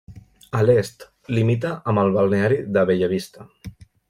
A l'est limita amb el balneari de Bella Vista.